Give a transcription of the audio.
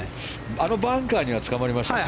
あのバンカーにはつかまりましたか？